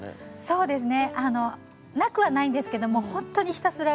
そうですね。